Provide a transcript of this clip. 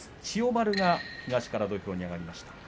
千代丸が東から土俵に上がりました。